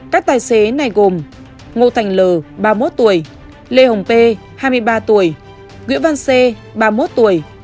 các tài xế này gồm ngô thành l ba mươi một tuổi lê hồng p hai mươi ba tuổi nguyễn văn xê ba mươi một tuổi